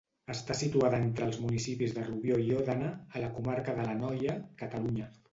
Està situada entre els municipis de Rubió i Òdena, a la comarca de l'Anoia, Catalunya.